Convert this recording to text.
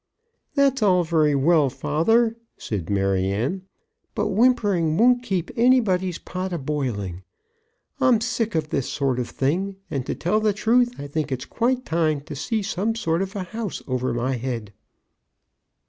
"That's all very well, father," said Maryanne. "But whimpering won't keep anybody's pot a boiling. I'm sick of this sort of thing, and, to tell the truth, I think it quite time to see some sort of a house over my head."